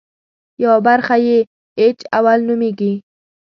یوه برخه یې اېچ اول نومېږي.